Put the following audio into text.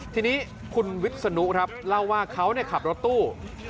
ทีนี้คุณวิศนุครับเล่าว่าเขาขับรถตู้